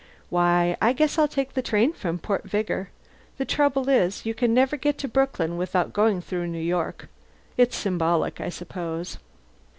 Why, I guess I'll take the train from Port Vigor. The trouble is, you can never get to Brooklyn without going through New York. It's symbolic, I suppose."